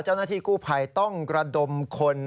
เจ้าหน้าที่กู้ภัยต้องกระดมคน